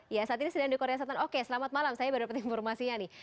ya saat ini sedang di korea selatan oke selamat malam saya baru dapat informasinya nih